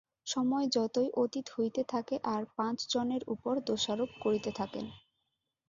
সময় যতই অতীত হইতে থাকে আর পাঁচজনের উপর দোষারোপ করিতে থাকেন।